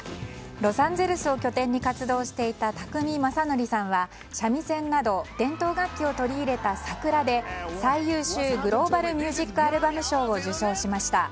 ロサンゼルスを拠点に活動していた宅見将典さんは三味線など伝統楽器を取り入れた「ＳＡＫＵＲＡ」で最優秀グローバル・ミュージック・アルバム賞を受賞しました。